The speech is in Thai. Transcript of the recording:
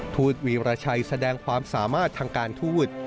ทูตวีรชัยแสดงความสามารถทางการทูต